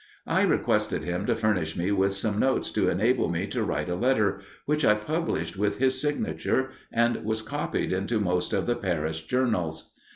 I requested him to furnish me with some notes to enable me to write a letter, which I published with his signature, and was copied into most of the Paris journals.